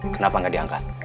kenapa nggak diangkat